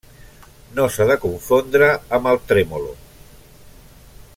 No s'ha de confondre amb el trèmolo.